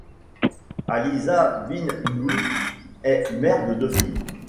Aliza Bin-Noun est mère de deux filles.